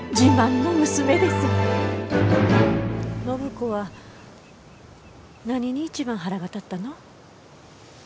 暢子は何に一番腹が立ったの？